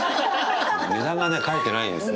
値段がね書いてないんですね。